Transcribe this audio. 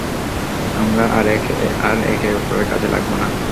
আমরা আর একে অপরের কাজে লাগব না।